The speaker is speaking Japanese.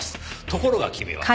ところが君は。